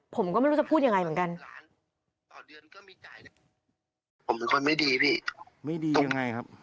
ผมก็ไม่รู้จะพูดยังไงเหมือนกัน